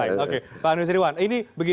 oke pak nusirwan ini begini